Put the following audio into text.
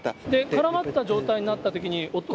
絡まった状態になったときに。